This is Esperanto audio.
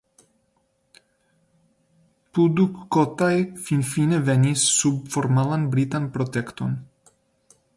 Pudukkotai finfine venis sub formalan britan protekton.